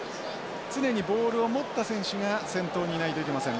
常にボールを持った選手が先頭にいないといけません。